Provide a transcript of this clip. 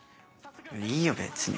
いいよ別に。